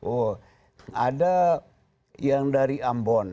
oh ada yang dari ambon